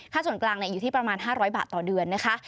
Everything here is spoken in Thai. ส่วนกลางอยู่ที่ประมาณ๕๐๐บาทต่อเดือนนะคะ